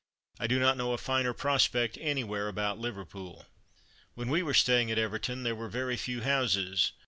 I do not know a finer prospect anywhere about Liverpool. When we were staying at Everton there were very few houses.